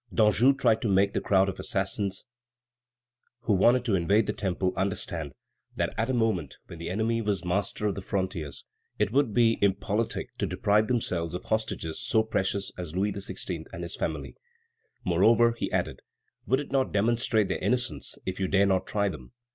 Danjou tried to make the crowd of assassins who wanted to invade the Temple understand that at a moment when the enemy was master of the frontiers, it would be impolitic to deprive themselves of hostages so precious as Louis XVI. and his family. "Moreover," he added, "would it not demonstrate their innocence if you dare not try them?